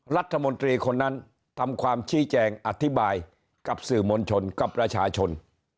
รัฐมนตรีคนนั้นทำความชี้แจงอธิบายกับสื่อมวลชนกับประชาชน